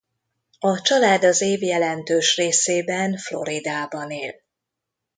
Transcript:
A család az év jelentős részében Floridában él.